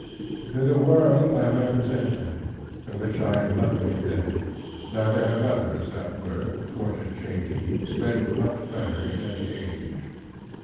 To the world I present them, to which I am nothing indebted: neither have others that were, (Fortune changing) sped much better in any age.